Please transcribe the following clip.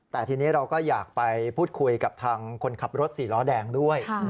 แต่ทีนี้เราก็อยากไปพูดคุยกับทางคนขับรถสี่ล้อแดงด้วย